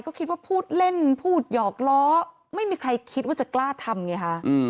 ก็คิดว่าพูดเล่นพูดหยอกล้อไม่มีใครคิดว่าจะกล้าทำไงคะ